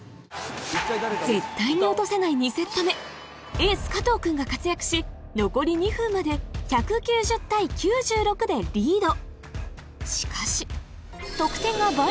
エース加藤君が活躍し残り２分まで１９０対９６でリード